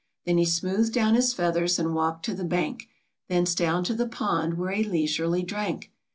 Then he smoothed down his feathers, and walked to the hank, Thence down to the pond, where he leisurely drank.